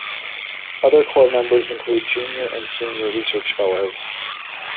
Other core members include Junior and Senior Research Fellows.